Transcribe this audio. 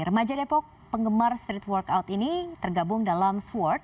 remaja depok penggemar street workout ini tergabung dalam swork